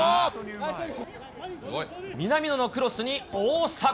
南野のクロスに大迫。